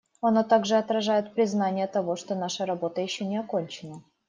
Оно также отражает признание того, что наша работа еще не окончена.